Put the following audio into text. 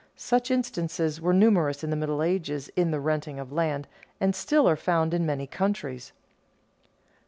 Such instances were numerous in the Middle Ages in the renting of land, and still are found in many countries.